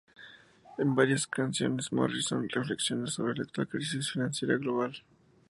En varias de las canciones, Morrison reflexiona sobre la actual crisis financiera global.